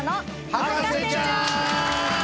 『博士ちゃん』！